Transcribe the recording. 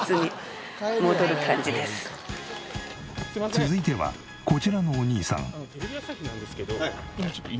続いてはこちらのお兄さん。